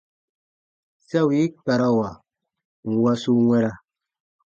Sa wii karawa nwa su wɛ̃ra.